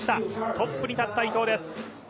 トップに立った伊藤です。